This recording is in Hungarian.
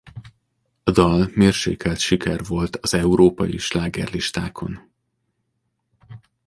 A dal mérsékelt siker volt az európai slágerlistákon.